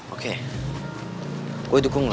oke gue dukung lo